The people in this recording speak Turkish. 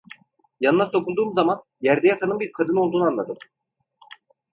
Yanına sokulduğum zaman, yerde yatanın bir kadın olduğunu anladım.